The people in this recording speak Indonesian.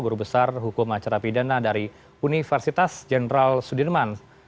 guru besar hukum acara pidana dari universitas jenderal sudirman